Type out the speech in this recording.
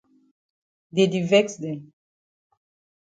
Dey di vex dem.